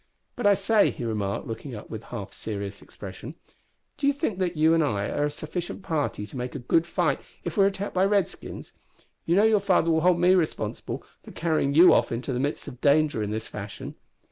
"But, I say," he remarked, looking up with a half serious expression, "d'you think that you and I are a sufficient party to make a good fight if we are attacked by Redskins? You know your father will hold me responsible, for carrying you off into the midst of danger in this fashion."